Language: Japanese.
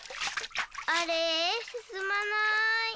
あれすすまない。